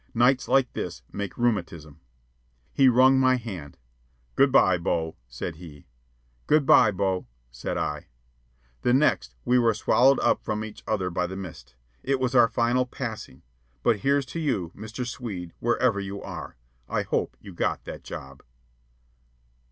Nights like this make rheumatism." He wrung my hand. "Good by, Bo," said he. "Good by, Bo," said I. The next we were swallowed up from each other by the mist. It was our final passing. But here's to you, Mr. Swede, wherever you are. I hope you got that job.